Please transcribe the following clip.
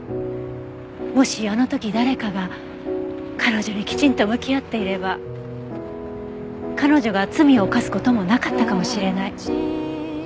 もしあの時誰かが彼女にきちんと向き合っていれば彼女が罪を犯す事もなかったかもしれない。